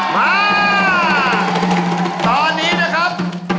มาตอนนี้นะครับ